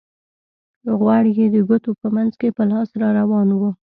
غوړ یې د ګوتو په منځ کې په لاس را روان وو.